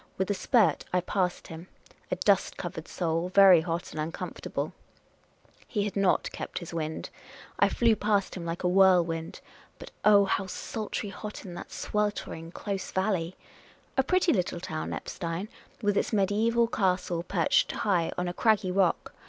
With a spurt, I passed him — a dust covered soul, very hot and uncomfortable. He had not The Inquisitive American 85 kept his wind ; I flew past him like a whirlwind. But, oh, how sultry hot in that sweltering, close valley ! A pretty little town, Eppstein, with its mediaeval castle perched high on a craggy rock.